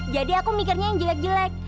jadi aku mikirnya yang jelek jelek